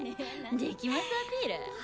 できますアピール？